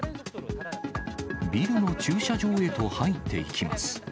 ビルの駐車場へと入っていきます。